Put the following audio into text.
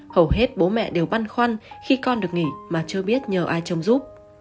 hầu hết bố mẹ đều băn khoăn khi con được nghỉ mà chưa biết nhờ ai trông giúp